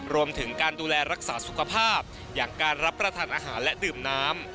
รวมถึงการดูแลรักษาสุขภาพอย่างการรับประทานอาหารและดื่มน้ำ